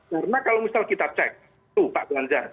karena kalau misal kita cek tuh pak ganjar